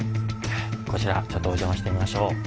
こちらちょっとお邪魔してみましょう。